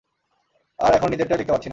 আর এখন নিজেরটাই লিখতে পারছি না।